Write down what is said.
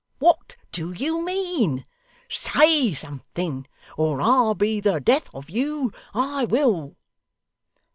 What do you mean? Say something, or I'll be the death of you, I will.